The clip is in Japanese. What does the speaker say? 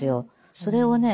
それをね